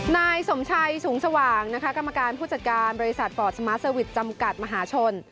นายสมชัยสูงสว่างนะคะกรรมการผู้จัดการบริษัทฟอร์ตสมาร์เซอร์วิทจำกัดมหาชน